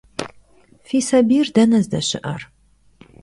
Fi sabiyr dene zdeşı'er?